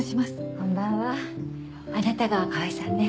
こんばんはあなたが川合さんね。